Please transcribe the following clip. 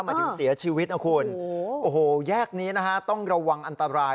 มาถึงเสียชีวิตนะคุณโอ้โหแยกนี้นะฮะต้องระวังอันตราย